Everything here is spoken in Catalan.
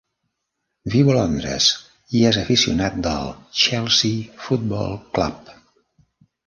Viu a Londres i és aficionat del Chelsea Football Club.